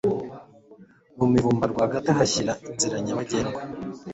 mu mivumba rwagati uhashyira inzira nyabagendwa